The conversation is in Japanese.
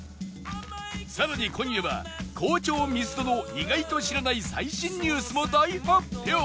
さらに今夜は好調ミスドの意外と知らない最新ニュースも大発表！